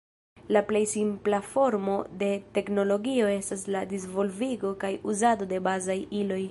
La plej simpla formo de teknologio estas la disvolvigo kaj uzado de bazaj iloj.